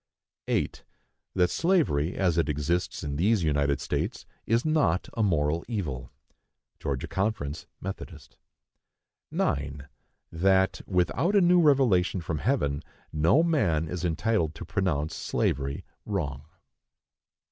8. That slavery, as it exists in these United States, is not a moral evil. (Georgia Conference, Methodist.) 9. That, without a new revelation from heaven, no man is entitled to pronounce slavery wrong.